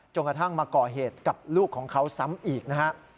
กระทั่งมาก่อเหตุกับลูกของเขาซ้ำอีกนะฮะ